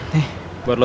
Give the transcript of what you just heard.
nih buat lo